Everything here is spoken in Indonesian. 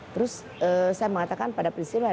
terus saya mengatakan pada peristiwa